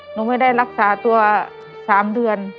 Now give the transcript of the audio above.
หนูไม่ได้รักษาตัว๓เดือน